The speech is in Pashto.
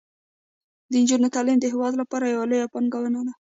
د نجونو تعلیم د هیواد لپاره یوه لویه پانګونه ده.